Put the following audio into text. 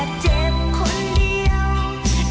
อีกนิดหยดน้ำตาก็รินไหล